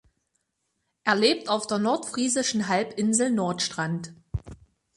Er lebt auf der nordfriesischen Halbinsel Nordstrand.